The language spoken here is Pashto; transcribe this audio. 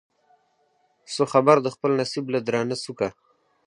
سو خبر د خپل نصیب له درانه سوکه